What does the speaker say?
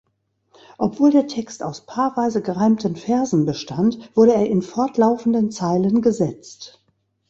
Obwohl der Text aus paarweise gereimten Versen bestand, wurde er in fortlaufenden Zeilen gesetzt.